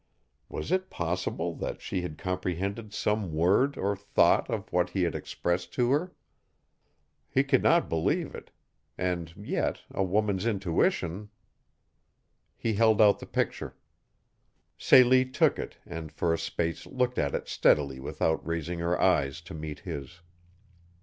Was it possible that she had comprehended some word or thought of what he had expressed to her? He could not believe it And yet, a woman's intuition He held out the picture. Celie took it and for a space looked at it steadily without raising her eyes to meet his.